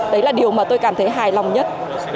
đấy là điều mà tôi cảm thấy hài lòng nhất